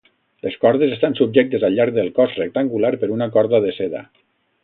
Les cordes estan subjectes al llarg del cos rectangular per una corda de seda.